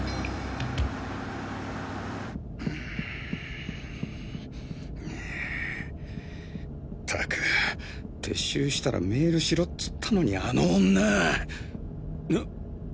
ったく撤収したらメールしろっつったのにあの女ん！？